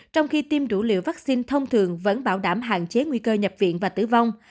trong khi tiêm đủ liều vaccine thông thường vẫn bảo đảm hạn chế nguy cơ nhập viện và tử vong